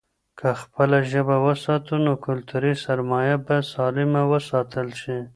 که خپله ژبه وساتو، نو کلتوري سرمايه به سالمه وساتل شي.